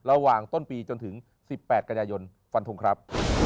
ระหว่างต้นปีจนถึง๑๘กันยายนฟันทงครับ